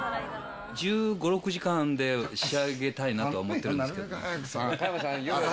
１５、６時間で仕上げたいなとは思ってるんですけど。